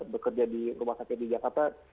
bekerja di rumah sakit di jakarta